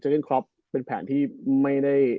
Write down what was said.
เล่นครอปเป็นแผนที่ไม่ได้